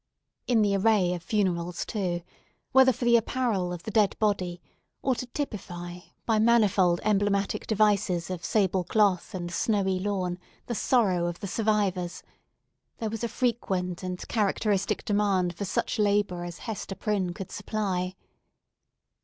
In the array of funerals, too—whether for the apparel of the dead body, or to typify, by manifold emblematic devices of sable cloth and snowy lawn, the sorrow of the survivors—there was a frequent and characteristic demand for such labour as Hester Prynne could supply.